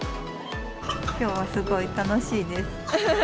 きょうはすごい楽しいです。